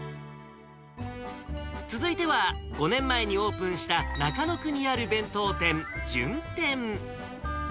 続いては、５年前にオープンした、中野区にある弁当店、じゅん天。